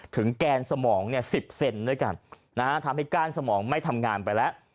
แกนสมองเนี่ย๑๐เซนด้วยกันทำให้ก้านสมองไม่ทำงานไปแล้ว